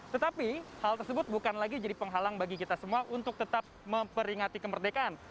tetapi hal tersebut bukan lagi jadi penghalang bagi kita semua untuk tetap memperingati kemerdekaan